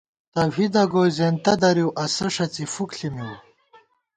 توحیدہ گوئی زېنتہ دَرِؤ ، اسہ ݭڅی فُک ݪِی مِؤ